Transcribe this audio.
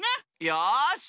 よし。